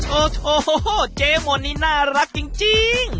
โธ่โธ่โธ่โธ่เจโมนนี่น่ารักจริง